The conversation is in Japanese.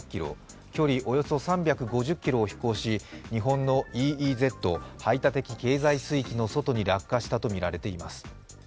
距離およそ３５０ｋｍを飛行し日本のＥＥＺ＝排他的経済水域の外に落下したとみられています。